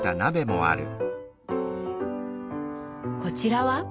こちらは？